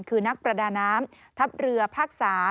คือนักประดาน้ำทัพเรือภาค๓